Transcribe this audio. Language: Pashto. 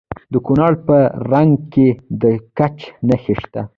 د کونړ په نرنګ کې د ګچ نښې شته.